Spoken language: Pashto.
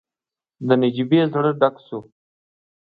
د نجيبې زړه ډک شو.